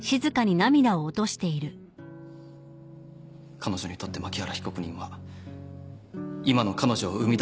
彼女にとって槇原被告人は今の彼女を生み出してくれた恩師。